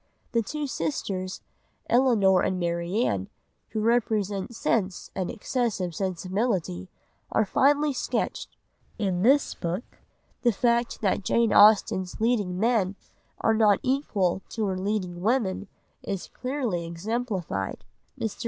The two sisters, Elinor and Marianne, who represent Sense and excessive Sensibility, are finely sketched. In this book the fact that Jane Austen's leading men are not equal to her leading women is clearly exemplified. Mr.